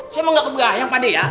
saya emang gak keberanian pak de ya